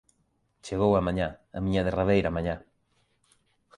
Chegou a mañá −a miña derradeira mañá.